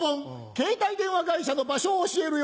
携帯電話会社の場所を教えるよ。